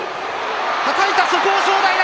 はたいた、そこを正代だ。